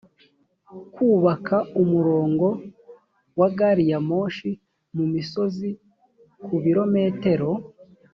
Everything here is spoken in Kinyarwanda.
kubaka umurongo wa gari ya moshi mu misozi ku birometero